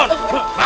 makasih om hansip